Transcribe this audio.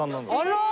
あら！